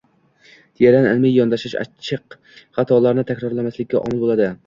teran, ilmiy yondashish achchiq xatolarni takrorlamaslikka omil bo‘ladi.